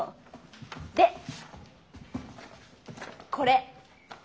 でこれ。